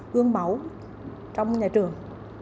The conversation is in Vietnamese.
gương mẫu trong nhà trường